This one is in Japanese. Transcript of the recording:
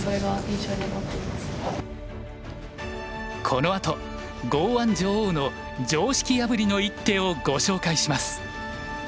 このあと剛腕女王の常識破りの一手をご紹介します。